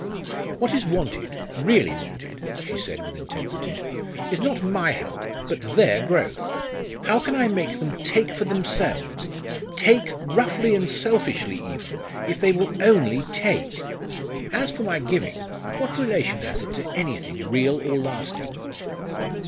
"What is wanted, really wanted," she said with intensity, "is not my help, but their growth. How can I make them take for themselves take, roughly and selfishly even, if they will only take! As for my giving, what relation has it to anything real or lasting?"